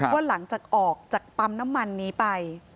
ว่าหลังจากออกจากปั๊มน้ำมันนี้ไป